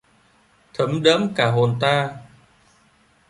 thấm đẫm cả hồn ta.